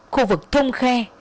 khu vực thông khe